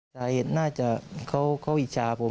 สายเท้นน่าจะเขาดีกว่าผม